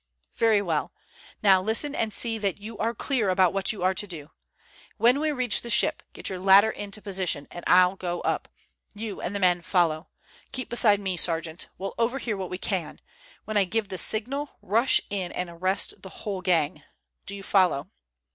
"Very well. Now listen, and see that you are clear about what you are to do. When we reach the ship get your ladder into position, and I'll go up. You and the men follow. Keep beside me, sergeant. We'll overhear what we can. When I give the signal, rush in and arrest the whole gang. Do you follow?"